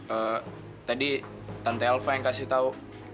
eh tadi tante elva yang kasih tahu